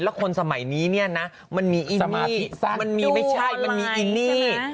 แล้วคนสมัยนี้มันมีอินนี่มันมีไม่ใช่มันมีอินนี่